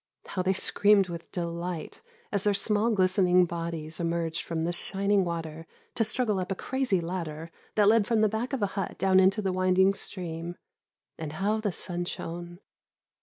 How they screamed with delight as their small glistening bodies emerged from the shining water to struggle up a crazy ladder that led from the back of a hut down into the winding stream; and how the sun shone!